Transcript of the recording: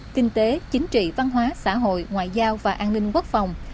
kinh tế chính trị văn hóa xã hội ngoại giao và an ninh quốc phòng